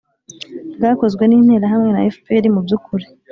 bwakozwe n'interahamwe na fpr. mu by'ukuri,